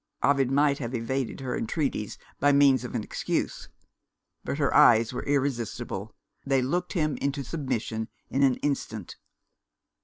Ovid might have evaded her entreaties by means of an excuse. But her eyes were irresistible: they looked him into submission in an instant.